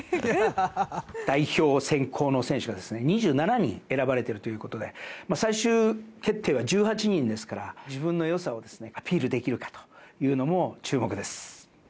代表選考の選手が２７人選ばれているということで最終決定は１８人ですから自分の良さをアピールできるかというのも注目です。